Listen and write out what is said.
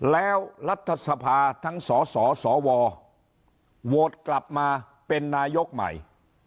แล้วรัฐสภาทั้งสสสวโหวตกลับมาเป็นนายกใหม่